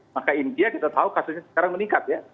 maka india kita tahu kasusnya sekarang meningkat ya